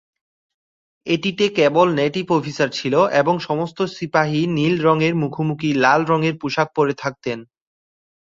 এটিতে কেবল native officer ছিল এবং সমস্ত সিপাহী নীল রঙের মুখোমুখি লাল রঙের পোশাক পরে থাকতেন।